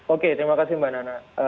oke terima kasih mbak nana